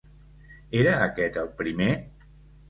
Era aquest el primer?